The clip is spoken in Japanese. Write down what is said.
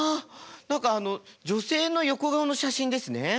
何か女性の横顔の写真ですね。